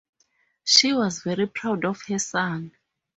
She was very proud of her son.